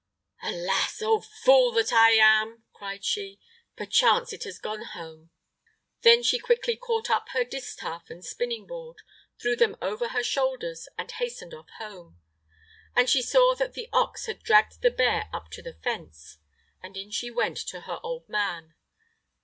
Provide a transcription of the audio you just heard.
"Alas! old fool that I am!" cried she, "perchance it has gone home." Then she quickly caught up her distaff and spinning board, threw them over her shoulders, and hastened off home, and she saw that the ox had dragged the bear up to the fence, and in she went to her old man.